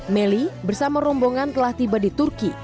melly bersama rombongan telah tiba di turki